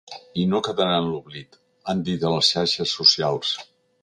I no quedarà en l’oblit, han dit a les xarxes socials.